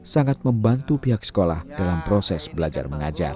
sangat membantu pihak sekolah dalam proses belajar mengajar